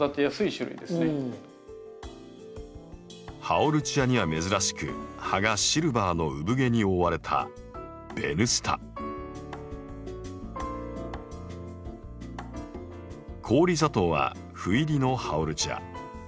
ハオルチアには珍しく葉がシルバーのうぶ毛に覆われた氷砂糖は斑入りのハオルチア。